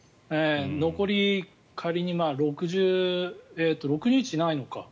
残り、仮に６６日ないのか。